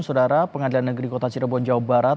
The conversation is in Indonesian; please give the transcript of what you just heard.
saudara pengadilan negeri kota cirebon jawa barat